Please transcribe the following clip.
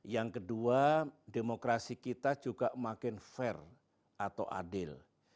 yang kedua demokrasi kita juga makin fair atau adil